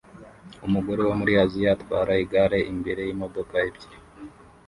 Umugore wo muri Aziya atwara igare imbere yimodoka ebyiri